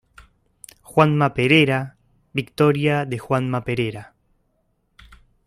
Juanma Perera, victoria de Juanma Perera.